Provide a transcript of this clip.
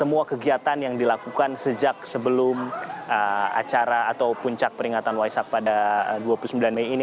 semua kegiatan yang dilakukan sejak sebelum acara atau puncak peringatan waisak pada dua puluh sembilan mei ini